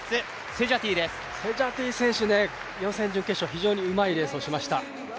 セジャティ選手、予選、準決勝、非常にうまい走りをしました。